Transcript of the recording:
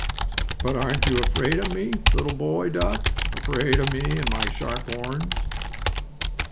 "But aren't you afraid of me, little boy duck; afraid of me and my sharp horns?"